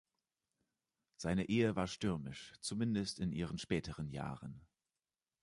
Seine Ehe war stürmisch, zumindest in ihren späteren Jahren.